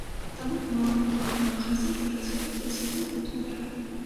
Таму маланакладныя газеты разыходзяцца вельмі добра.